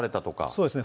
そうですね。